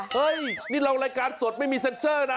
เฮ้ยนี่เรารายการสดไม่มีเซ็นเซอร์นะ